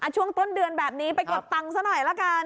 ช่วงต้นเดือนแบบนี้ไปกดตังค์ซะหน่อยละกัน